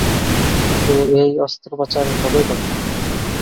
কিন্তু এই অস্ত্রোপচার হবে কবে?